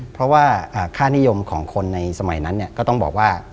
เพราะว่าค่านิยมของคนในสมัยนั้นก็ต้องบอกว่า